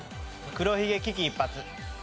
黒ひげ危機一発。